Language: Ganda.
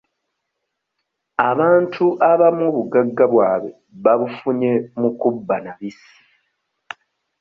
Abantu abamu obugagga bwabwe babufunye mu kubba na bissi.